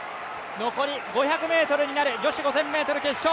残り５００ｍになる女子５０００ｍ決勝。